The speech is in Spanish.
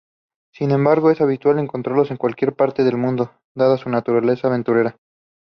Sin embargo, es habitual encontrarlos en cualquier parte del mundo, dada su naturaleza aventurera.